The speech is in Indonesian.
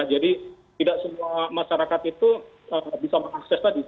tidak semua masyarakat itu bisa mengakses tadi